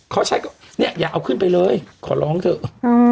เขาใช้ก็เนี่ยอย่าเอาขึ้นไปเลยขอร้องเถอะ